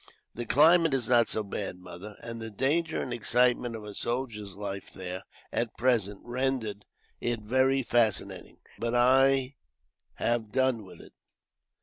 "The climate is not so bad, Mother, and the danger and excitement of a soldier's life there, at present, render it very fascinating. But I have done with it.